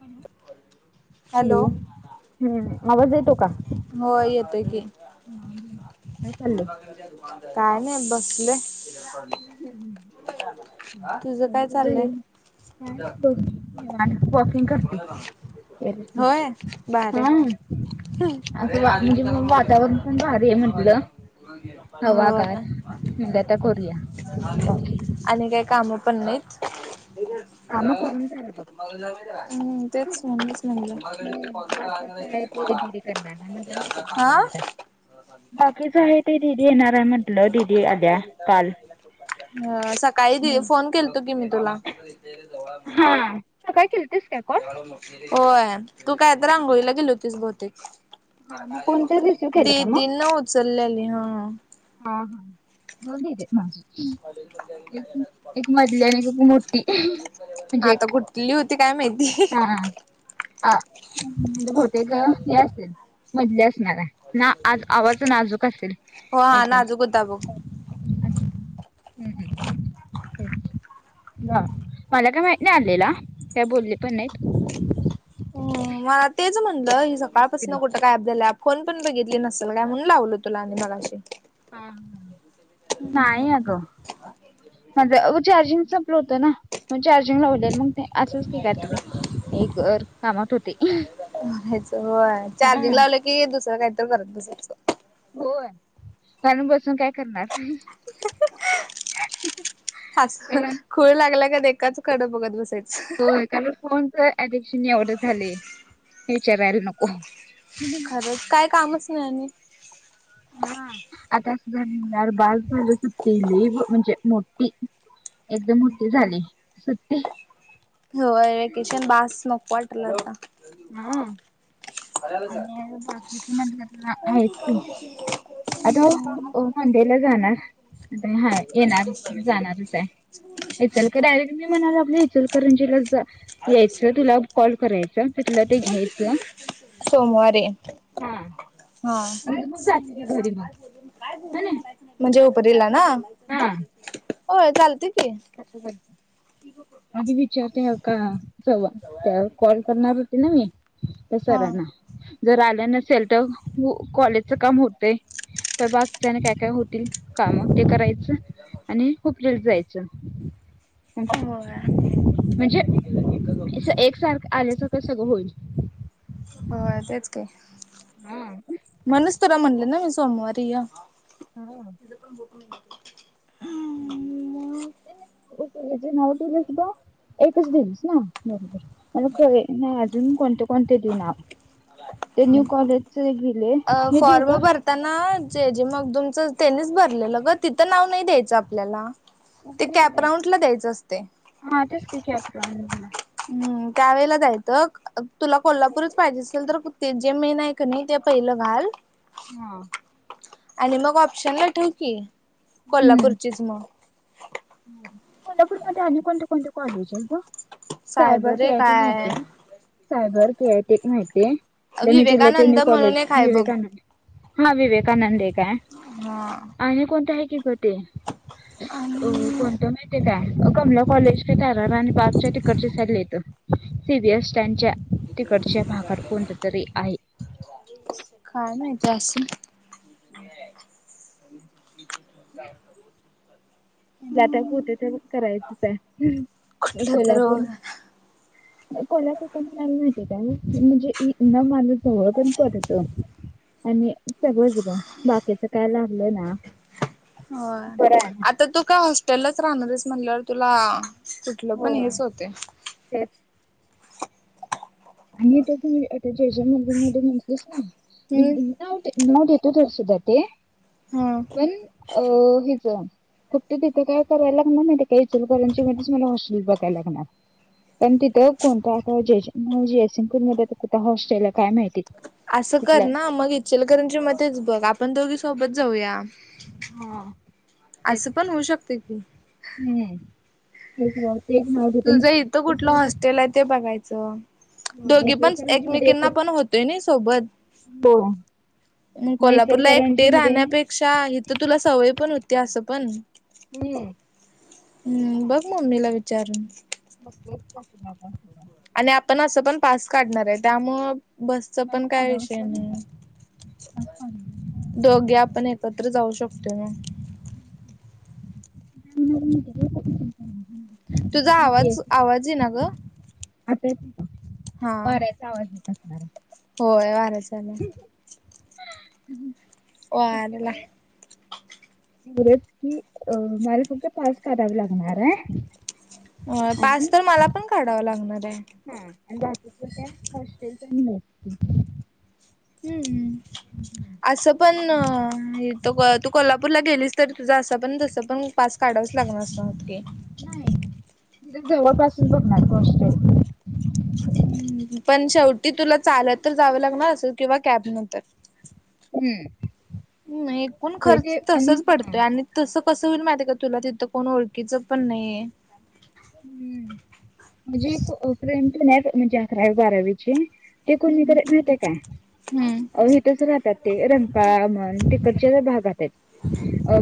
Hello hello हम्म आवाज येतो का? हो येतोय की हा बोल. काय चाललंय? काय नाही बसले. हम्म हम्म काय तुझं चाललंय हे काय नाही बघ निवांत वॉकिंग करते. टेरेसवर होय बारे हा असं म्हणजे वातावरण पण भारी हे म्हटलं हवा हो गार [unintelligible] करूया. वॉकिंग. आणि काय काम पण नाहीत. काम करून झालं बघ. हम्म तेच म्हणुनच म्हणलं. त्यांना हा काय [unintelligible] बाकीच आहे ते दीदी येणार. आहे म्हटलं दिदी आल्या काल. [unintelligible] हा सकाळी हम्म. फोन केलंतो की मी तुला. तर इथल्या इथं जवळाय म्हणू हां सकाळी केलतीस काय कॉल? होय तू काय तर आंघोळीला गेली होतीस बहुतेक हा मग कोणतरी रिसिव्ह केलं का मग? दीदीन उचललेली हा हा हा दोन दीदीत माझा एक एक मधली आणि एक मो म्हणजे एक कुटली हुती काय माहिती हा म्हणजे बहुतेक हि असेल मधली असणाराय ना आज आवाज नाजूक असेल हो हा एकदम नाजूक होता बघ आणि हम्म हम्म तेच ह मला काय माहित नाही आणलेला काय बोलले पण नाहीत. हम्म म तेच म्हणलं ही सकाळपासून कुट कुठं गायब झाल्या फोन पण बघितली नसल काय म्हणून लावलो तुला आणि मगाशी हा हा नाही अग माझं चार्जिंग संपल होतं ना मग चार्जिंग लावलेल मग ते असंच कि कायतरी हे कर कामात होते. करायचं होय हा चार्जिंग लावलं कि दुसरं कायतर करत बसायचं. होय कारण बसून काय करणार हसू कारण खूळ लागल्यागत एकाच कड बघत बसायचं. हो कारण फोनचा एडिक्शन एवढं झालंय काय विचारायला नको. काय कामच नाही आणि हा आता असं झालं यार बास झाली सुट्टी लय म्हणजे मोठी एकदम मोठी झाली सुट्टी होय व्हेकेशन बास नको वाटायलाय आता. हम्म आणि बाकिच म्हटल तर हायच कि आता ओ मंडेला जाणार आता हाय येणार जाणारचय. [inaudible] इचलकर- डयरेक्ट मी म्हणाय लागलोय इचलकरंजीलाच जा. यायचं तुला कॉल करायचं, तिथलं ते घ्यायचं. सोमवारी. हा. हा, काय आणि मग बोलू जाते म्हणजे ती आता घरी मग काय बोलू काय ह बोलू ना [unintelligible] म्हणजे हुपरीला ना? हा. हो चालतय की. करत [unintelligible] आधी विचारते का, सवा- त्यावर कॉल करणार होती ना मी त्या हा सरांना. जर आलं नसेल तर हू-कॉलेजचं काम होतंय. प बाकीच्याने काय -काय होतील काम ते करायचं. च आणि हुपरीला जायचं. हं, होय म्हणजे अस एकसारखं आल्यासारखं सगळं होईल. होय तेच की, हा म्हणूनच तुरा म्हटलं ना सोमवारी य. हा. बक [inaudible] हेज नऊ केलीस ब, एकच दिवस ना बरोबर मला कवे [unintelligible] म अजून काॅन्टॅक कोणटेड्यू [unintelligible] नाव ते न्यू कॉलेजच एक दिलय, हे देऊ का? त्यांना जे जे मगदुमचं, तेनीच भरलेलं ग तिथं नाव नाही द्यायचं आपल्याला. मग ते कुणीकड कॅप द्यायचं, राऊंड ला असते [inaudible] हा तेच की, केफराॅनला. हम्म कावेेळेला द्यायतक [unintelligible] तुला कोल्हापूरच पाहिजे असेल तर, कु ते जे मेन हाय कने ते पहिलं घाल. हा. आणि मग ऑप्शनला ठीव की हम्म. कोल्हापूरचीच मग. कोल्हापूरमध्ये आणि कोणते -कोणते कॉलेज आहेत ग? सायबर के आय एक टी हाय माहितीये. सायबर के आय टी एक माहितीये, नी मी तुला ते विवेकानंद न्यू म्हणून कॉलेज, एक हाय बघ विवेकानंद. हा विवेकानंद एक हाय. हा. [inaudible] आणि कोणते आहे की ग ते? आ [inaudible] अ कोणतं माहित आहे काय? कमला कॉलेज काय ताराराणी पार्कच्या तिकडची साइडला येत. सी बी एस स्टॅंडच्या तिकडच्या भागात कोणत्या तरी आहे. काय माहित असल. [inaudible] आणिची चिता [unintelligible] ज्यात्याप [unintelligible] होतय ते करायचच हाय कुठलं तर कोल्हापूर. होय कोल्हापूरचा [unintelligible] माहिती काय? म्हणजे न माझ जवळ पण पडत. आणि सगळच ग बाकीच काय लागलं ना. होय, बरं आहे ना आता तू काय हॉस्टेलाच राहणारायस म्हणल्यावर तुला कुटलं हो पण हेच होतय. तेच. आणि तर तुम्ही [unintelligible] आता जयजय मंदिरमध्ये म्हटलीस ना हम्म नाव दे, नाव देेतू तुझसुद्धा ते हा पण अ हेज फक्त तिथं काय कराय लागणार माहितीये काय, इचलकंरमध्येच मला हॉस्टेल बघायला लागणार. पण तिथं कोणता आता जय- जयसिंगपूर मध्ये कुठ हॉस्टेल हाय काय माहिती. असं कर तिथलं ना मग, इचलकरंची मध्येच बघ आपण दोघी सोबत जाऊया. हा [inaudible] तेच अस पण होऊ शकतय की. हम्म. तेच ग ते तुझ इथ कुठल हॉस्टेल आहे ते बघायच. ह दोघी पण इचलकरंजी एकमेकीना पण होतोय नि सोबत. हो. मग कोल्हापूरला एकटे राहण्यापेक्षा पेक्षा ईथ तुला सवय पण होती अस पण, हम्म ते पण आहे बघ मग सुनेला विचार. मग कस आपणध आणि आपण असं पण पास काढणार आहे त्यामुळ बसच त्याच पण काय पाण्यावरच विषय पाठवलं नाही. त्याच पाण्यावर दोघे आपण एकत्र जाऊ शकतो. म मि तुझा आवाज आवाज ऐयनाग आता येतो का बरच आवाज येत असणार आहे. होय वारचा चालय. हम्. वारला. फुलेच की अ माला फकत पास काढावे लागणार आहे. अं पास आणि तर मला पण काढावा लागणार आहे. हा का हॉस्टेल पण न. हम्म. असं पण तू कोल्हापूरला गेलीस तरी तुझं असं पण तसं पण पास काढावंच लागणारस नातके नाही तिथ जवळपासून बघणार होस्टेल पण शेवटी तुला चालत तर जावं लागणार असेल किंवा कॅब नंतर. हम्म. ह एकूण होय खर्च ते आणि तसच हा पडतोय आणि तसं कसं होईल माहिती का तुला तिथं कोण ओळखीचं पण नाही हे. हम्म म्हणजे प्रेम तर नाही म्हणजे अकरावी, बारावी. चे कोणी हम्म करत माहित ते का. हम्म आ हो ईथच राहातात ते रंपामन तिकडच्या भागाता् हेत. अ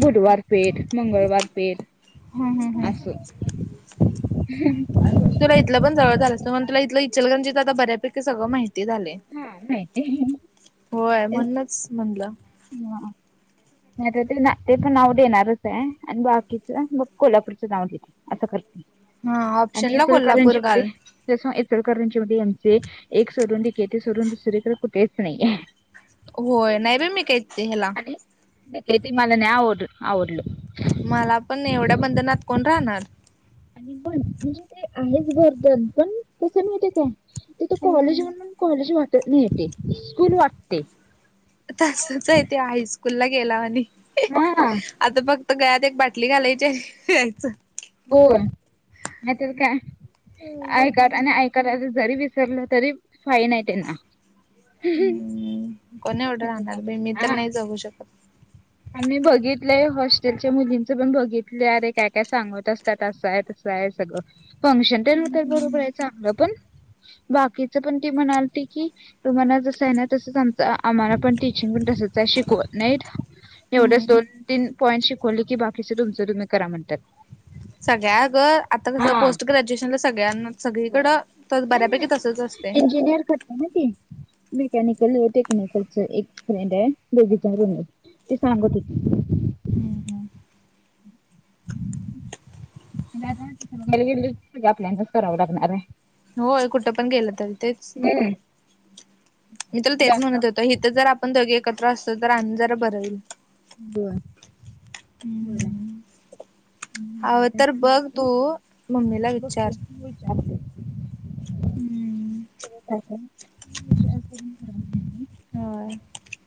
बुधवार पेठ, मंगळवार पेठ हम्म हम्म असं. [inaudible] हम्म. तुला इथलं पण जवळ झालं त मग तुला इथलं इचलकरणजीच आता बऱ्यापैकी सगळ माहिती झालेय. हा नाही हे.. होय म्हणणच म्हणलं. ह नाही तर ते ना ते पण नाव देणारच आहे आणि बाकीचं मग कोल्हापूरचं नाव घेते. असं करत हा आणि ऑप्शनला कोल्हापूर ईचकरंजीमध्ये. घाल. जस ईचलकरंजी मध्ये आमचे एक सोडुन डीकेटी सोडुन दुसरेकडे कुठेच नाहीये. होय नाही बाई मी काही. आणि खेतीमालाने आवडल आवडल. मला पण एवढ्या बंधनात कोण राहणार. पण म्हणजे ते आहेच बर्दपन पण कस माहितेका तेथ कॉलेज हम्म. म्हणून कॉलेज वाटत नही हे ते स्कूल वाटते. तसच आहे ते हायस्कूल ला गेला म्हणि हा आता बघ. गळ्यात एक बाटली घालायची आहे यायच. बोल म काय हम्म बघ ऐकात आणि की. ऐक कराय जरी विसरलं तरी फाईन. त्यांना हम्म हा. होवू शकत. आम्ही बघितले. हॉस्टेलच्या मुलींच पण बघितले. अरे काय काय सांगत असतात, असं हाय तस हाय. जायच ग. फंक्शन तेन होतय बरोबर आहे. चांगलं पण बाकीच पण ती म्हणालती की, तुम्हाला जस आहे ना. तसच आमच आम्हाला पण टीचिंग पण तसच आहे शिकवत नाहीत. एवढंच हम्म दोन, तीन पॉईंट शिकवले की, बाकीच तुमचं तुम्ही करा म्हणतात. सगळ्या ग. आता कसं पोस्ट ग्रॅज्युएशनला सगळ्यां सगळीकडं तर बऱ्यापैकी तसच असते. इंजिनिअर कर. झालं की, मेकॅनिकल टेकनिकलच एक फ्रेंड आहे दीदींच्या रूम वर. ते सांगत होती. हम् हम् सगळ आपल्यालाच करावं लागणार आहे. होय. कुठं पण गेलं तरी तेच. हम् [unintelligible] मी तर तेच म्हणत होत. इथं जर आपण दोघे एकत्र असतो तर, आणि जरा बर झाल असत. बर बरं. हम्म माझ हवं काय तर बघ सांग. तू मम्मीला बघ विचार की विचारतो. [inaudible] हम्म विचारतो म्हटलं मी होय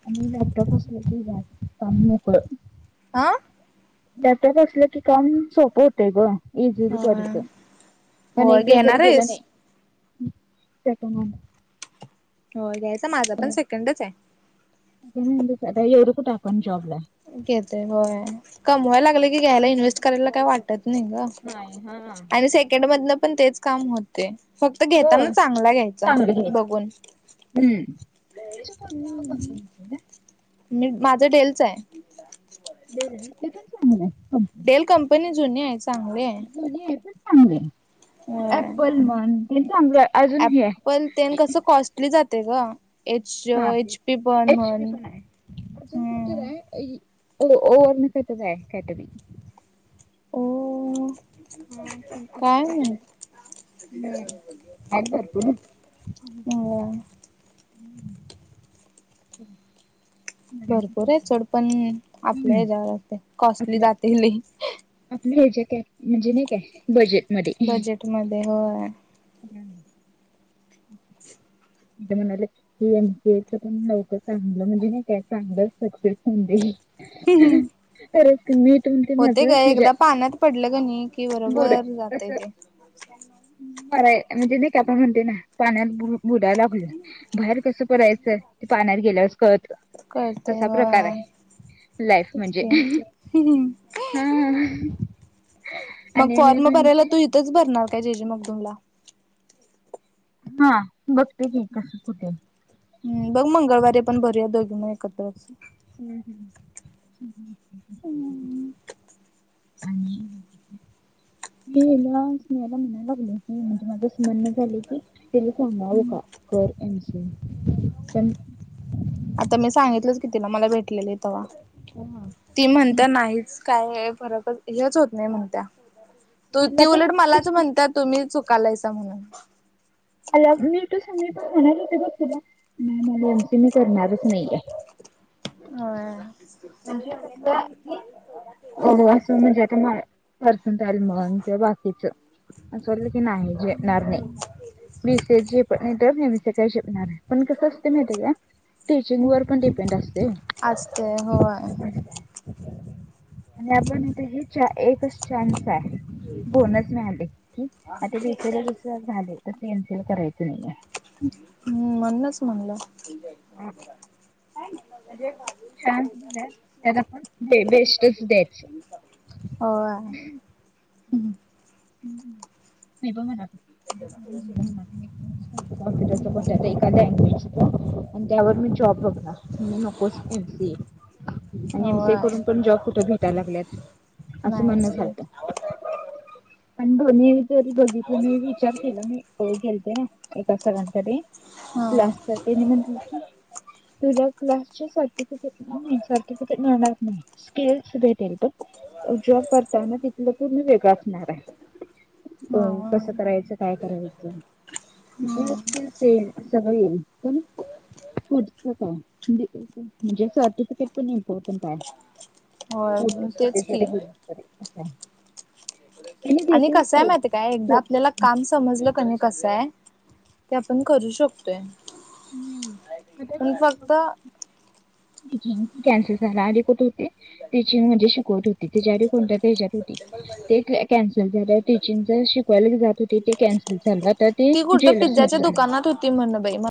आणि लॅपटॉप असं पानी उकळ [unintelligible] हा. लॅपटॉप असलं की काम सोप होत. होतय गं. इझी होय पडत. पण होय एक दिवस जरी घेणार गेलं नाही. आहेस तेच म्हणालोय. हो घ्यायचा. माझा पण सेकंडच आहे. एवढं कुठं आपण जॉब ला आहे. घेतेय होय. कमवायला लागले की, घ्यायला इन्व्हेस्ट करायला काही वाटत नाही ग. आणि सेकंड मधन पण तेच काम होत. ते फक्त घेताना चांगला घ्यायचा बघून. हम्म. अ हम्म, इ [unintelligible] मी माझं डेलच आहे. डेल त्याच चांगलं हाय. डेल कंपनी जुनी आहे चांगली आहे. पण घ्यायच चांगले अँप्पल म्हन हे चांगल. अँप्पल तेन कसं कॉस्टली जाते ग. एच एच पी पण एच पी म्हण. पण आहे अजून कायतर हम्म आहे. ओ इ वरण कायतर आहे. ओ अ हा तेन असच काय तर हाय. हम् बर. अ [inaudible] भरपूर आहे सोड. पण आपल्या हम्म. हेच्यावर कॉस्टली आपलं जाते लय. आपलं हे जे काय म्हणजे नाही काय बजेटमध्ये मध्ये बजेट न व. हम्म. [inaudible] इथ म्हणाल्या, की एम सी ए च पण लवकर चांगलं म्हणजे नाही काय चांगलं सक्सेस होऊ दे. तरच तुम्ही तुमची होते नजर च काय तेच्या एकदा पाण्यात पडलं का नाही कि बोड बरोबर तस. जातय ते बरय. म्हणजे ते काय आपण म्हणते ना पाण्यात बुड बुडाला- हम्म. बाहेर कसं पडायचं? ते पाण्यात गेल्यावरच कळत कळतय तसा प्रकार होय आहे. लाईफ तेच म्हणजे. की हा. मग आणि मेन फॉर्म भरायला म्हणजे तू इथंच भरणार काय? जे जे मगदुम ला? हा. बघते की कसं? कुठे? हम्. बघ मंगळवारी आपण भरूया दोघी म एकत्रच. हम् हम् हम. आणि- [unintelligible] म्हणायला लागलं की म्हणजे माझ असं म्हणणं झालंय की- तीले फोन लावू का? कर [unintelligible] आता मी सांगितलंच की तीला. मला भेटलेली तवा. ते म्हणता नाहीच. काय फरकच हेच होत नाही म्हणता. तू मला ते पण उलट मलाच म्हणत्या तुम्ही चुकालायसां म्हणून. आज मी ट्युशनमध्ये म्हणाली होते बघ तुला? म [unintelligible] करणारच नाहीेये. हां. म्हणजे कसं की? हो असं म्हणजे आता मला- पर्सनटाईल मुलांचं बाकीचं. अस वाटलं की नाही झेपणार नाही. बी सी ए च झेपत नाही तर एम सी ए काय झेपणार हाय? पण कसं असतयं माहित्याय का? टीचिंग वर पण डिपेंड असतय. असतय. होय. आणि आपण आता हे एकच चान्स आहे. बोनस मिळाले की आता बी सी ए ला जस झाले तस एम सी ए ला करायचं नाहीये. हम्म. म्हनूनच म्हणलं. म्हणजे चान्स दिलाय. त्यात आपण बेस्टच द्यायच. होय. हम्म. [unintelligible] [inaudible] आणि त्यावर मी जॉब बघणार. म्हणून नकोच एमसीए आणि एमसीए होय करून पण जॉब कुठे भेटायला लागल्यात? असं नाहीच म्हणणं की झालतं. पण [unintelligible] बघितलं नाही विचार केला नाही. हो गेलते ना एका सरांकडे. हा लास्टला तेनी म्हटलं की- तुला क्लासचे सर्टिफिकेट नाही. सर्टिफिकेट मिळणार नाही. स्किल्स भेटेल बघ. जॉब करताना तिथलं पुर्ण वेगळं असणार हाय. हो हा कसं करायचं? काय करायचं? हम्म स्किल्स येईल. सगळ येईल. [unintelligible] पुढचं काय? म्हणजे सर्टिफिकेट पण इम्पॉर्टंट आहे. होय तेच की [inaudible] त्याने आणि देतील कसंय सोड माहिती का? एकदा आपल्याला नाही, काम समजलं का नाही? कसए? ते आपण करू शकतो. [inaudible] आणि फक्त- कॅन्सल झाला. आधी कुठ होती? टिचिंग मधे शिकवत होती. त्याच्या आधी कोणत्या [unintelligible] होती? ते कॅन्सल झालं. टीचिंग च शिकवायला बी जात होती. ते कॅन्सल झालं. तर ते ज्वेलर्स मध्ये जात - ते म्हण बाई म -